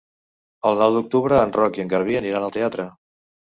El nou d'octubre en Roc i en Garbí aniran al teatre.